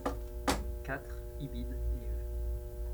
quatre Ibid., liv.